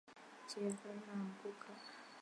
吉耶朗格朗热。